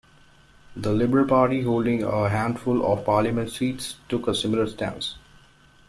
The Liberal Party, holding a handful of parliament seats, took a similar stance.